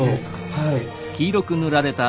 はい。